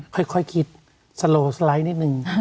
ค่อยคิดสโลสไลด์นิดนึง